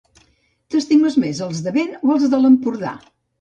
T'estimes més els de vent o els de l'Empordà?